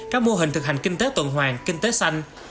các mô hình thực hành kinh tế tuần hoàng kinh tế xanh